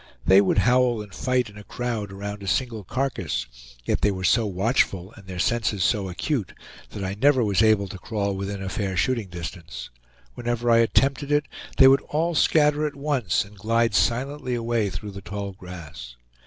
They would howl and fight in a crowd around a single carcass, yet they were so watchful, and their senses so acute, that I never was able to crawl within a fair shooting distance; whenever I attempted it, they would all scatter at once and glide silently away through the tall grass.